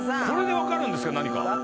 これで分かるんですか？